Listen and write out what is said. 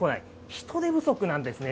人手不足なんですね。